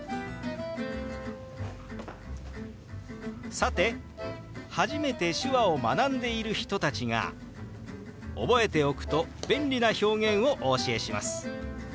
さて初めて手話を学んでいる人たちが覚えておくと便利な表現をお教えします。